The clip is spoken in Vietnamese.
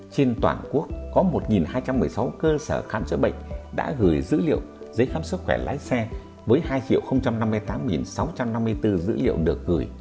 trên toàn quốc có một hai trăm một mươi sáu cơ sở khám chữa bệnh đã gửi dữ liệu giấy khám sức khỏe lái xe với hai năm mươi tám sáu trăm năm mươi bốn dữ liệu được gửi